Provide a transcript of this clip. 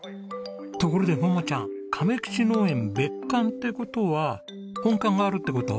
ところで桃ちゃん。亀吉農園別館って事は本館があるって事？